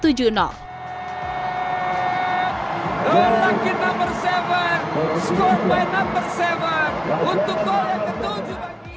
skor menaklukkan nomor tujuh untuk gol yang ketujuh pagi ini